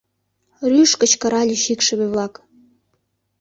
— рӱж кычкыральыч икшыве-влак.